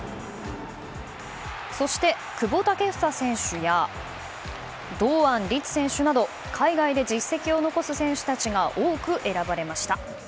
そして久保建英選手や堂安律選手など海外で実績を残す選手たちが多く選ばれました。